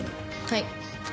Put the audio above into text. はい。